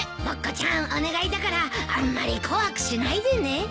ぼっこちゃんお願いだからあんまり怖くしないでね。